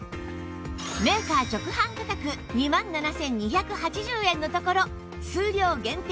メーカー直販価格２万７２８０円のところ数量限定